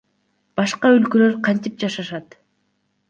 Башка өлкөлөр кантип жашашат?